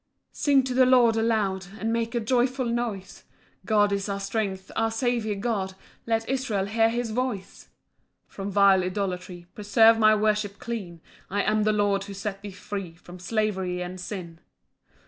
1 Sing to the Lord aloud, And make a joyful noise; God is our strength, our Saviour God; Let Israel hear his voice. 2 "From vile idolatry "Preserve my worship clean; "I am the Lord who set thee free "From slavery and sin.